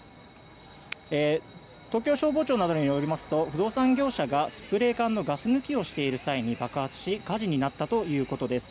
東京消防庁などによりますと不動産業者がスプレー缶のガス抜きをしている際に爆発し火事になったということです。